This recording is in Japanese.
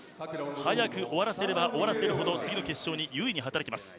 早く終わらせれば終わらせるほど次の決勝に優位に働きます。